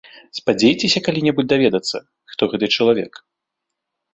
Спадзеяцеся калі-небудзь даведацца, хто гэты чалавек?